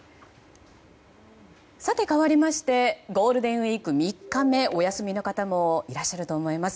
かわりましてゴールデンウィーク３日目お休みの方もいらっしゃると思います。